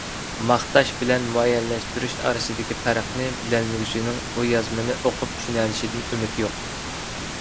ماختاش بىلەن مۇئەييەنلەشتۈرۈش ئارىسىدىكى پەرقنى بىلەلمىگۈچىنىڭ بۇ يازمىنى ئوقۇپ چۈشىنەلىشىدىن ئۈمىد يوق.